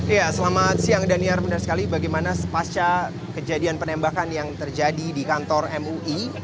ya selamat siang daniar benar sekali bagaimana sepasca kejadian penembakan yang terjadi di kantor mui